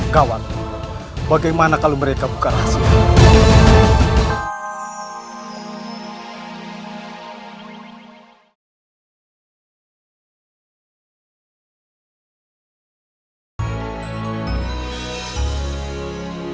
kawan bagaimana kalau mereka bukan hasilnya